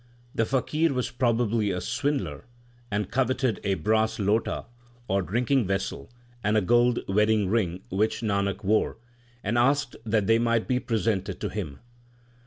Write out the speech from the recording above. The faqir was probably a swindler, and coveted a brass lota, or drinking vessel, and a gold wedding ring which Nanak wore, and asked that they might be presented to him.